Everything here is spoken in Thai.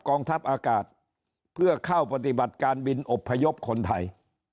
กองทัพอากาศเพื่อเข้าปฏิบัติการบินอบพยพคนไทย